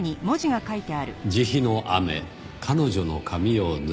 『慈悲の雨、彼女の髪を濡らせ』。